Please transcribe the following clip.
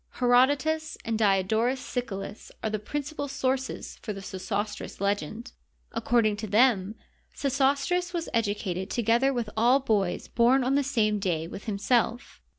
Herodotus and Diodorus Siculus are the principal sources for the Sesostris legend. According to them, Sesostris was educated together with all boys bom on the same day with himself.